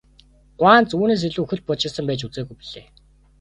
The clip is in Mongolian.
Гуанз үүнээс илүү хөл бужигнасан байж үзээгүй билээ.